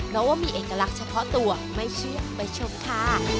เพราะว่ามีเอกลักษณ์เฉพาะตัวไม่เชื่อไปชมค่ะ